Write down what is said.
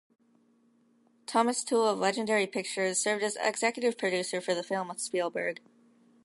Thomas Tull of Legendary Pictures served as executive producer for the film with Spielberg.